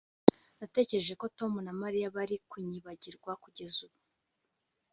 Natekereje ko Tom na Mariya bari kunyibagirwa kugeza ubu